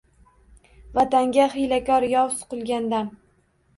Vatanga hiylakor yov suqilgan dam